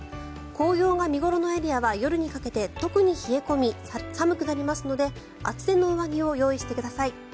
紅葉が見頃のエリアは夜にかけて特に冷え込み寒くなりますので厚手の上着を用意してください。